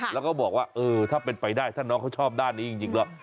แล้วก็บอกว่าเออถ้าเป็นไปได้ถ้าน้องเขาชอบด้านนี้จริงหรอก